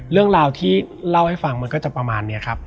เรื่องราวที่เล่าให้ฟังมันก็จะประมาณนี้ครับ